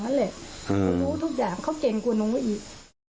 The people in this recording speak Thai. ก็รู้ทุกอย่างเขาเก่งคุณตรงกันอีก